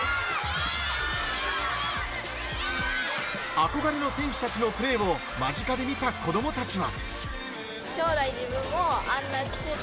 憧れの選手たちのプレーを間近で見た子供たちは。